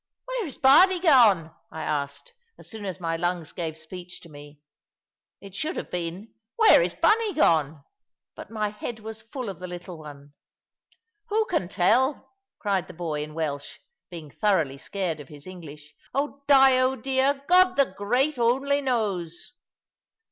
"Where is Bardie gone?" I asked, as soon as my lungs gave speech to me: it should have been, "Where is Bunny gone?" But my head was full of the little one. "Who can tell?" cried the boy, in Welsh, being thoroughly scared of his English. "Oh, Dyo dear, God the great only knows."